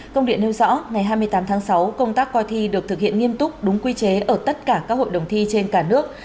công điện nêu rõ ngày hai mươi tám tháng sáu công tác coi thi được thực hiện nghiêm túc đúng quy chế ở tất cả các hội đồng thi trên cả nước